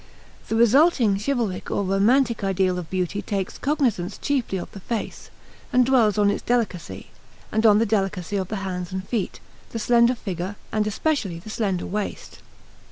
The resulting chivalric or romantic ideal of beauty takes cognizance chiefly of the face, and dwells on its delicacy, and on the delicacy of the hands and feet, the slender figure, and especially the slender waist.